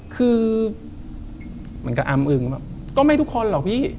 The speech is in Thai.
คือเหมือนกับอ้ำอึงก็ไม่ทุกคนเหรอพี่